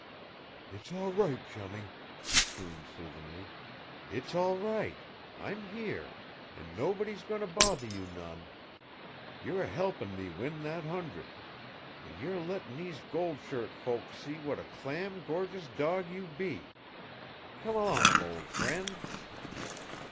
"It's all right, Chummie!" he crooned soothingly. "It's all RIGHT! I'm here. An' nobody's goin' to bother you none. You're a helpin' me win that hundred. An' you're lettin' these gold shirt folks see what a clam' gorgeous dawg you be! Come along, ol' friend!"